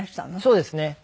そうですね。